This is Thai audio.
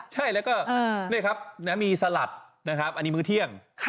ใช่แล้วก็นี่ครับมีสลัดนะครับอันนี้มื้อเที่ยง